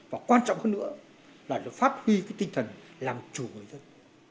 và quan trọng hơn nữa là được phát huy tinh thần làm chủ người dân